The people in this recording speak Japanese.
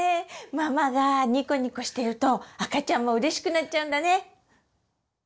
ママがニコニコしていると赤ちゃんもうれしくなっちゃうんだね！